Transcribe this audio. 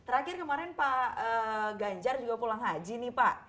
terakhir kemarin pak ganjar juga pulang haji nih pak